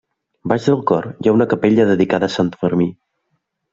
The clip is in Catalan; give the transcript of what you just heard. Baix del cor hi ha una capella dedicada a Sant Fermí.